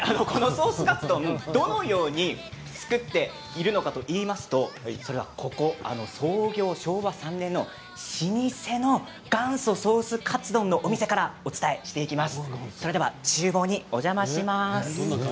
では、どのように作っているのかといいますとここは創業昭和３年の老舗の元祖ソースカツ丼のお店からお伝えします。